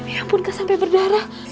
ya ampun kak sampai berdarah